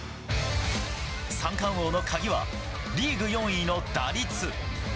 三冠王の鍵は、リーグ４位の打率。